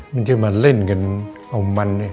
มันจะมาเล่นกันเอามัน